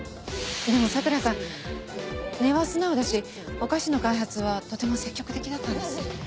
でも咲良さん根は素直だしお菓子の開発はとても積極的だったんです。